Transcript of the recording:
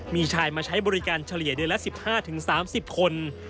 มีชายมาใช้บริการเฉลี่ยเดือนละ๑๕๓๐คน